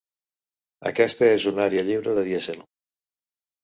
Aquesta és una àrea lliure de dièsel.